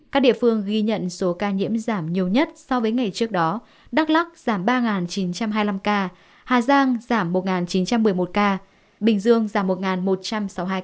các địa phương ghi nhận số ca nhiễm giảm nhiều nhất so với ngày trước đó đắk lắc giảm ba chín trăm hai mươi năm ca hà giang giảm một chín trăm một mươi một ca bình dương giảm một một trăm sáu mươi hai ca